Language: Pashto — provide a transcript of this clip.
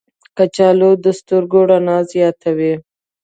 کچالو د سترګو رڼا زیاتوي.